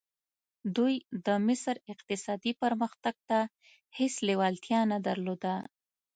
دوی د مصر اقتصادي پرمختګ ته هېڅ لېوالتیا نه درلوده.